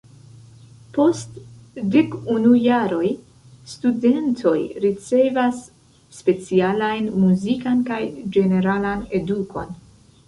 Post dekunu jaroj studentoj ricevas specialajn muzikan kaj ĝeneralan edukon.